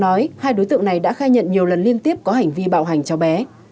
nói hai đối tượng này đã khai nhận nhiều lần liên tiếp có hành vi bạo hành cháu bé